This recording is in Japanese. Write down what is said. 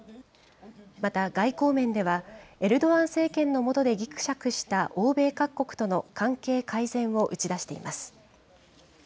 また、外交面では、エルドアン政権の下でぎくしゃくした欧米各国との関係改善を打ち出しています。